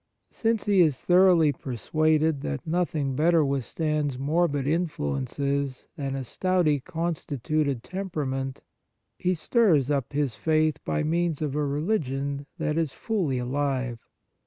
Since he is thoroughly persuaded that nothing better withstands morbid influences than a stoutly constituted temperament, he stirs up his faith by means of a religion that is fully alive.